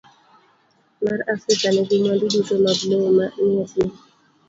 B. mar Afrika nigi mwandu duto mag lowo manie piny.